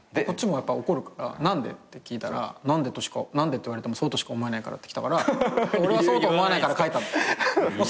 こっちもやっぱ怒るから何で？って聞いたら「何でって言われてもそうとしか思えないから」ってきたから俺はそうとは思わないから書いた。